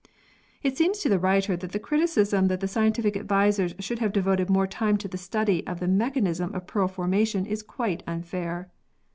It seems to the writer that the criticism that the scientific advisers should have devoted more time to the study of the mechanism of pearl formation is quite unfair.